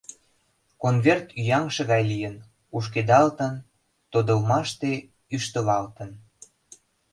Конверт ӱяҥше гай лийын, кушкедалтын, тодылмаште ӱштылалтын.